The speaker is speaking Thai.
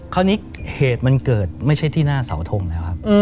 คราวนี้เหตุมันเกิดไม่ใช่ที่หน้าเสาทงแล้วครับ